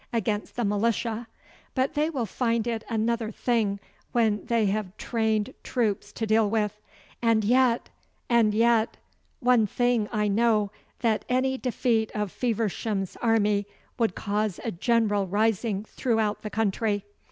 'Against the militia. But they will find it another thing when they have trained troops to deal with. And yet and yet! One thing I know, that any defeat of Feversham's army would cause a general rising throughout the country.